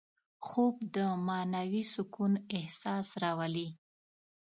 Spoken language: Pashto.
خوب د معنوي سکون احساس راولي